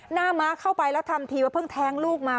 หน้าม้าเข้าไปแล้วทำทีว่าเพิ่งแท้งลูกมา